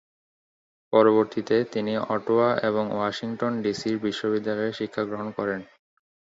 পরবর্তীতে, তিনি অটোয়া এবং ওয়াশিংটন ডিসির বিশ্ববিদ্যালয়েও শিক্ষাগ্রহণ করেন।